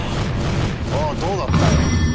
あどうなったよ？